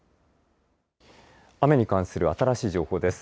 雨に関する新しい情報です。